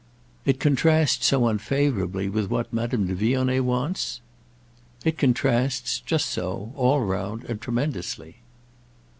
"It contrasts so unfavourably with what Madame de Vionnet wants?" "It contrasts—just so; all round, and tremendously."